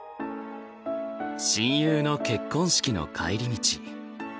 親友の結婚式の帰り道。